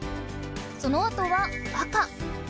そのあとは赤。